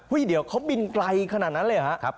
เฮ่ยเดี๋ยวเขาบินไกลขนาดนั้นเลยหรือครับ